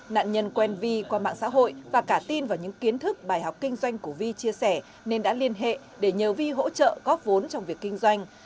nạn nhân quen vi qua mạng xã hội và cả tin vào những kiến thức bài học kinh doanh của vi chia sẻ nên đã liên hệ để nhờ vi hỗ trợ góp vốn trong việc kinh doanh